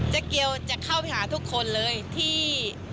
เกียวจะเข้าไปหาทุกคนเลยที่